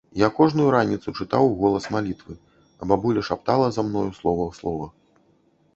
Я кожную раніцу чытаў уголас малітвы, а бабуля шаптала за мною слова ў слова.